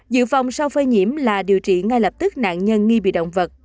dự phòng sau phơi nhiễm là điều trị ngay lập tức nạn nhân nghi bị động vật